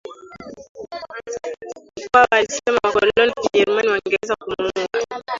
Mkwawa alisema wakoloni wa kijerumani wangeweza kumuua